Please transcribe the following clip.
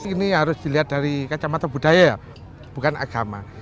ini harus dilihat dari kacamata budaya ya bukan agama